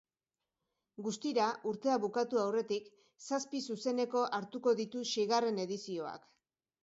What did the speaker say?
Guztira, urtea bukatu aurretik, zazpi zuzeneko hartuko ditu seigarren edizioak.